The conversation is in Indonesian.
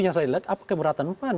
apakah keberatan pan